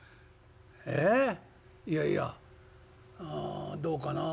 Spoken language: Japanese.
「えっ？いやいやあどうかなあ